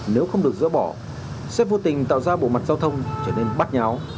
nếu không được dỡ bỏ sẽ vô tình tạo ra bộ mặt giao thông trở nên bắt nháo